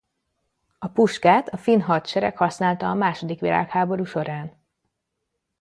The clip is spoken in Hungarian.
A puskát a finn hadsereg használta a második világháború során.